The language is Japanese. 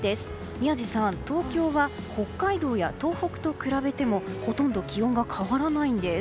宮司さん、東京は北海道や東北と比べてもほとんど気温が変わらないんです。